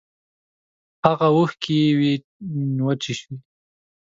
هاغه اوښکی وچې شوې